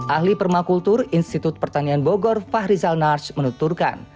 ahli permakultur institut pertanian bogor fahrizal nars menuturkan